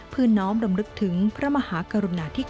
เพื่อน้องรำลึกถึงพระมหากรุณาธิคุณ